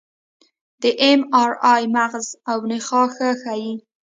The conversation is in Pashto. د اېم ار آی مغز او نخاع ښه ښيي.